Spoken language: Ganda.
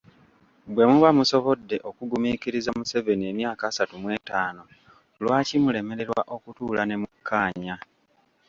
Bwe muba musobodde okugumiikiriza Museveni emyaka asatu mwetaano, lwaki mulemererwa okutuula ne mukkaanya.